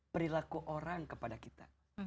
perilaku orang kepada kita